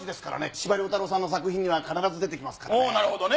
司馬遼太郎さんの作品には必ず出てきますからね。